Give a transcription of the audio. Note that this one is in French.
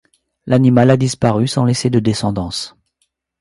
L'animal a disparu sans laisser de descendance.